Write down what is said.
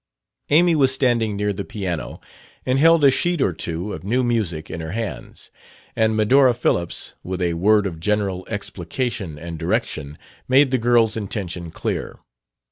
Amy was standing near the piano and held a sheet or two of new music in her hands. And Medora Phillips, with a word of general explication and direction, made the girl's intention clear.